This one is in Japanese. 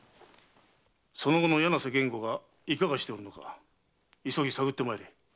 その後の柳瀬源吾がいかがしておるのか急ぎ探ってまいれ。